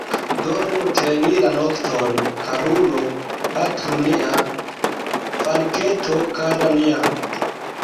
Dormu ĉe ni la nokton, karulo, patro nia, falketo kara nia.